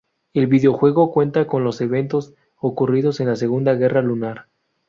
El videojuego cuenta los eventos ocurridos en la Segunda Guerra Lunar.